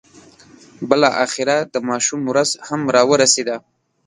بالاخره د ماشوم ورځ هم را ورسېده.